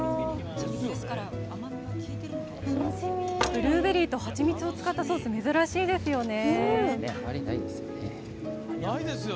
ブルーベリーとハチミツを使ったソース、珍しいですよね。